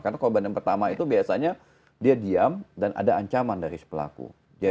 karena korban yang pertama itu biasanya dia diam dan ada ancaman dari si pelaku